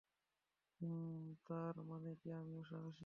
উম, তার মানে কি আমিও সাহসী?